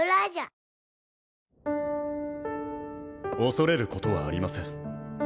恐れることはありません。